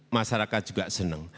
masyarakat juga senang